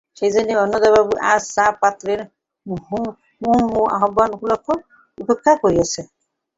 সেইজন্যেই অন্নদাবাবু আজ চা-পাত্রের মুহুর্মুহু আহ্বান উপেক্ষা করিয়াছিলেন।